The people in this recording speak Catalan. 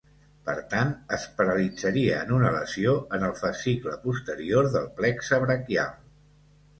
Per tant, es paralitzaria en una lesió en el fascicle posterior del plexe braquial.